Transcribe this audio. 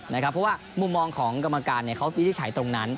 เพราะว่ามุมมองของกรรมการเขาวินิจฉัยตรงนั้น